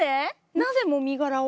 なぜもみ殻を？